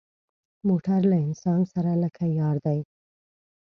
موټر له انسان سره لکه یار دی.